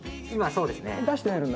今そうですね。